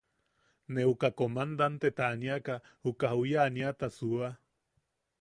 Ne uka comandanteta aniaka uka juya aniata suua.